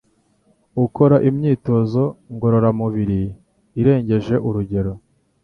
ukora Imyitozo ngororamubiri irengeje urugero